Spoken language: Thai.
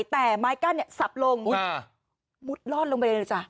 แต่ไมค์กั้นเนี้ยสับลงอุ๊ยมุดล่อนลงไปเลยเลยจ้ะ